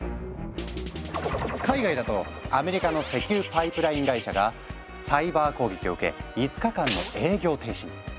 海外だとアメリカの石油パイプライン会社がサイバー攻撃を受け５日間の営業停止に。